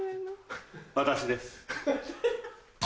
私です。